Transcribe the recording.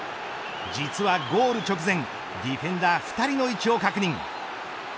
実はゴール直前ディフェンダー２人の位置を確認。